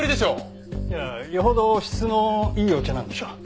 いやよほど質のいいお茶なんでしょう。